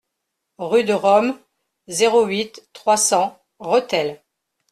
Rue de Rome, zéro huit, trois cents Rethel